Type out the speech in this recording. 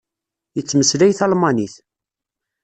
Yettmeslay talmanit.